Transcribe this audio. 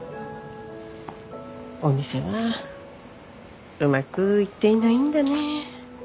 お店はうまくいっていないんだね。